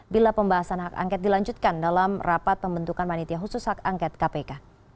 bila pembahasan hak angkat dilanjutkan dalam rapat pembentukan manitia khusus hak angkat kpk